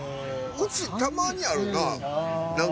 うちたまにあるな。